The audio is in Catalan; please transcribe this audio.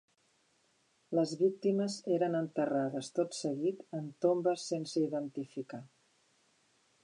Les víctimes eren enterrades tot seguit en tombes sense identificar.